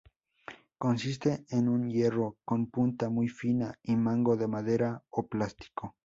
Consiste en un hierro con punta muy fina y mango de madera o plástico.